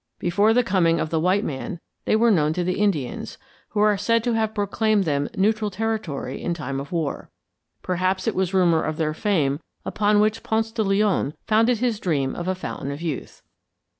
Before the coming of the white man they were known to the Indians, who are said to have proclaimed them neutral territory in time of war. Perhaps it was rumor of their fame upon which Ponce de Leon founded his dream of a Fountain of Youth.